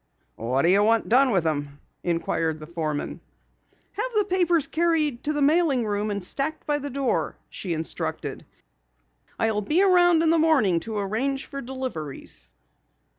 "What do you want done with 'em?" inquired the foreman. "Have the papers carried to the mailing room and stacked by the door," she instructed. "I'll be around in the morning to arrange for deliveries."